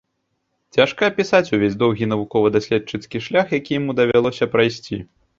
Цяжка апісаць увесь доўгі навукова-даследчыцкі шлях, які яму давялося прайсці.